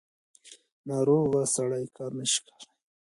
ناروغه سړی کار نشي کولی.